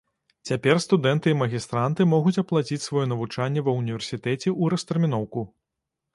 Цяпер студэнты і магістранты могуць аплаціць сваё навучанне ва ўніверсітэце ў растэрміноўку.